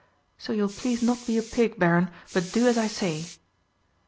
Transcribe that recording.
So you will please not be a pig, Baron, but do as I say."